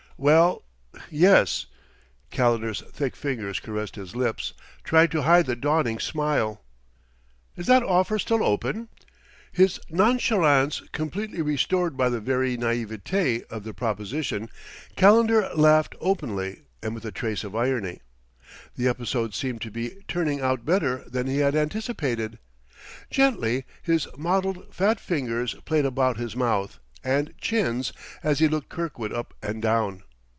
"Well yes." Calendar's thick fingers caressed his lips, trying to hide the dawning smile. "Is that offer still open?" His nonchalance completely restored by the very naïveté of the proposition, Calendar laughed openly and with a trace of irony. The episode seemed to be turning out better than he had anticipated. Gently his mottled fat fingers played about his mouth and chins as he looked Kirkwood up and down.